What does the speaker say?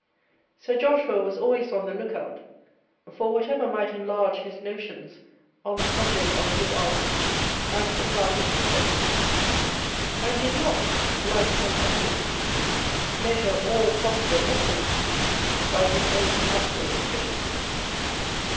Sir Joshua was always on the lookout for whatever might enlarge his notions on the subject of his art, and supply his defects ; and did not, like some artists, measure all possible excellence by his own actual deficiencies.